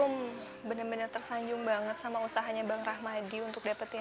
oh bener bener tersanjung banget sama usahanya bang rahmadi untuk dapetin